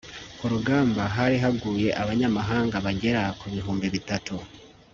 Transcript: ku rugamba hari haguye abanyamahanga bagera ku bihumbi bitatu